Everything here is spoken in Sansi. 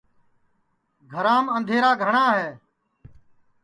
گھرام اںٚدھیرا گھٹؔا ہے